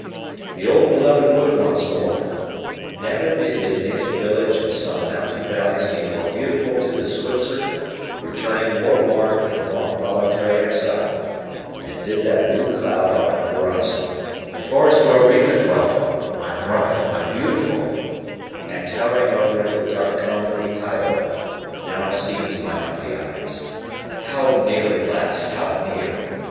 The old beloved wood once more! Never did his native village in some mountain valley seem more beautiful to the Switzer, returning, war worn, from long voluntary exile, than did that blue cloud on the horizon the forest where Rima dwelt, my bride, my beautiful and towering over it the dark cone of Ytaioa, now seem to my hungry eyes! How near at last how near!